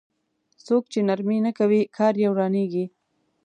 څوک چې نرمي نه کوي کار يې ورانېږي.